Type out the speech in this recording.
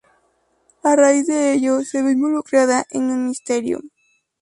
A raíz de ello, se ve involucrada en un misterio.